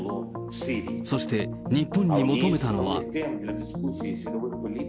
そして、日本に求めたのは。